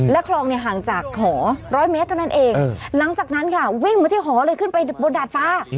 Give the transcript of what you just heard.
หอ๑๐๐เมตรเท่านั้นเองหลังจากนั้นค่ะวิ่งมาที่หอเลยขึ้นไปบนดาดฟ้า